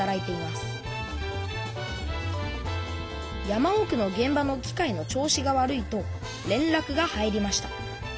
山おくのげん場の機械の調子が悪いと連らくが入りました。